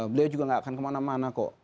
beliau juga gak akan kemana mana kok